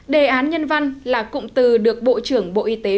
đề án nhân văn là cụm từ được bộ trưởng bộ y tế